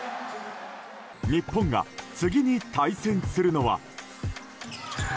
日本が次に対戦するのは。